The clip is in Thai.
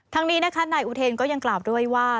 ทางนี้นะคะหน้าอุทยานก็ยังกล่าวด้วยว่า